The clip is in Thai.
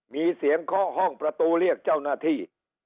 มีเสียงเคาะห้องประตูเรียกเจ้าหน้าที่